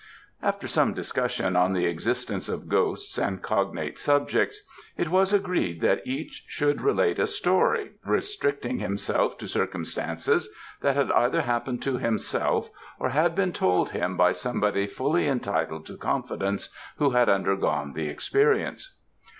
After some discussion on the existence of ghosts and cognate subjects, it was agreed that each should relate a story, restricting himself to circumstances that had either happened to himself or had been told him by somebody fully entitled to confidence, who had undergone the experience.